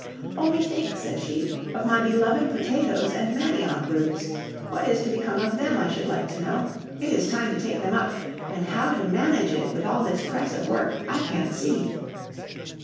"Only think," said she, "of my beloved potatoes and manioc roots! What is to become of them, I should like to know? It is time to take them up, and how to manage it, with all this press of work, I can't see."